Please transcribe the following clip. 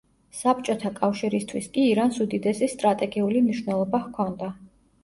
საბჭოთა კავშირისთვის კი ირანს უდიდესი სტრატეგიული მნიშვნელობა ჰქონდა.